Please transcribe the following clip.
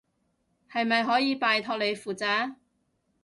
係咪可以拜託你負責？